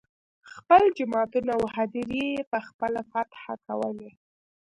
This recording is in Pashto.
خپل جوماتونه او هدیرې یې په خپله فتحه کولې.